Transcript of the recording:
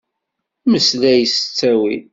Meslay s ttawil.